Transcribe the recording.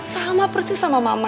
sama persis sama mama